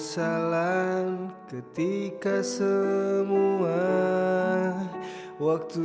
kalo main jangan jauh makamu